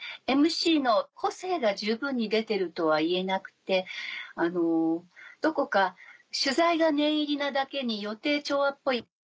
でＭＣの個性が十分に出てるとは言えなくてどこか取材が念入りなだけに予定調和っぽい。